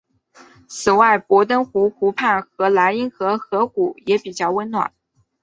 此外博登湖湖畔和高莱茵河河谷也比较温暖。